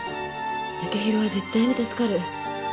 剛洋は絶対に助かる。